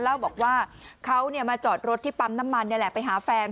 เล่าบอกว่าเขามาจอดรถที่ปั๊มน้ำมันนี่แหละไปหาแฟน